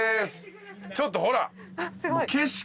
ちょっとほら景色